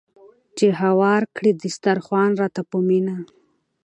چې هوار کړي دسترخوان راته په مینه